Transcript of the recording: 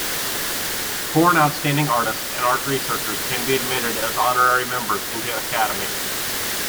Foreign outstanding artists and art researchers can be admitted as honorary members into Academy.